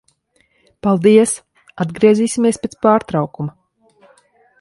Paldies. Atgriezīsimies pēc pārtraukuma.